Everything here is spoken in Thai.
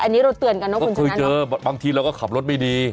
อันนี้เรารสเตือนกันนะคุณจริงนั้นหรอคะเคยเจอบางทีเราก็ขับรถไม่ดี